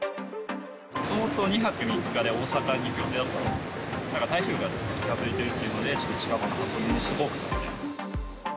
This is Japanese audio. もともと２泊３日で大阪に行く予定だったんですけど、なんか台風が近づいてるっていうので、ちょっと近場の箱根にしとこうみたいな。